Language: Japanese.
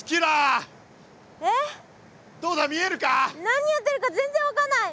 何やってるか全然分かんない！